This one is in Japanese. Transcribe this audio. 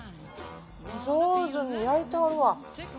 上手に焼いてはるわ。